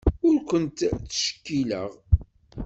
Ur ken-ttcekkileɣ.